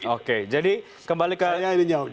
oke jadi kembali ke